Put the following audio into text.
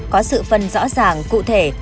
có sự phân rõ ràng cụ thể